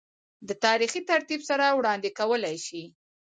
دَ تاريخي ترتيب سره وړاند ې کولے شي